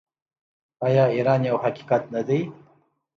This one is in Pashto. آیا ایران یو حقیقت نه دی؟